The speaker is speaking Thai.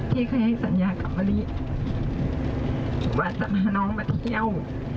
เคยให้สัญญากับมะลิว่าจะพาน้องมาเที่ยว